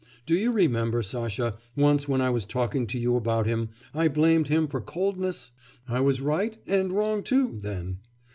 Do you remember, Sasha, once when I was talking to you about him, I blamed him for coldness? I was right, and wrong too, then.